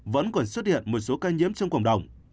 vẫn còn xuất hiện một số ca nhiễm trong cộng đồng